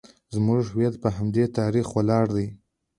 زموږ هویت په همدې تاریخ ولاړ دی